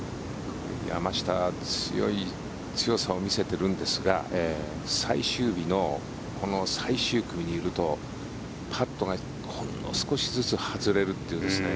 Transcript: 山下は強さを見せてるんですが最終日のこの最終組にいるとパットがほんの少しずつ外れるという。